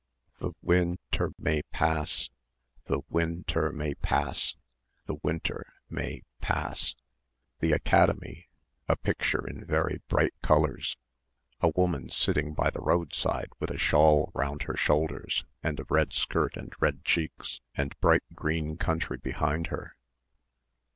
The win ter may pass.... The win ter ... may pass. The winter may ... pass. The Academy ... a picture in very bright colours ... a woman sitting by the roadside with a shawl round her shoulders and a red skirt and red cheeks and bright green country behind her